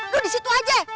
lo di situ aja